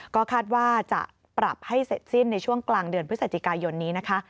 ก็คาดว่าจะปรับให้เสร็จสิ้นในช่วงกลางเดือนพฤศจิกายนนี้นะคะ